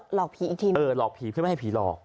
หลอกผีอีกทีนึงเออหลอกผีเพื่อไม่ให้ผีหลอก